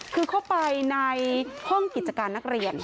คือเข้าไปในห้องกิจการนักเรียน